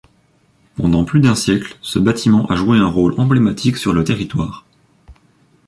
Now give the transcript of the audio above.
Pendant plus d’un siècle, ce bâtiment a joué un rôle emblématique sur le territoire.